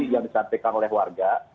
yang disampaikan oleh warga